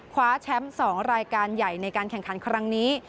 คว้าแชมป์๒รายการใหญ่ในการแข่งขันครั้งนี้